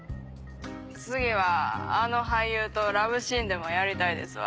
次はあの俳優とラブシーンでもやりたいですわ。